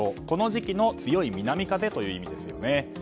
この時期の強い南風という意味ですね。